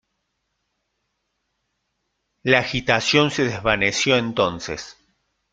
La agitación se desvaneció entonces.